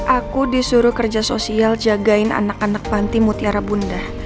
aku disuruh kerja sosial jagain anak anak panti mutiara bunda